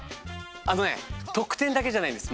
あのね得点だけじゃないんです。